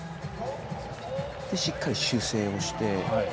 しっかり修正もして。